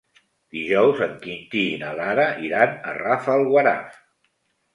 Dijous en Quintí i na Lara iran a Rafelguaraf.